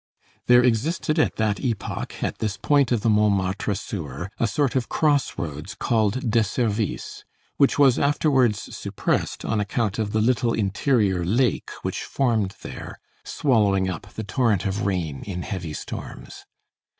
There existed at that epoch at this point of the Montmartre sewer a sort of crossroads called de service, which was afterwards suppressed, on account of the little interior lake which formed there, swallowing up the torrent of rain in heavy storms.